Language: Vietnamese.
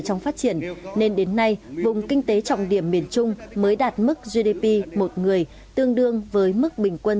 trong phát triển nên đến nay vùng kinh tế trọng điểm miền trung mới đạt mức gdp một người tương đương với mức bình quân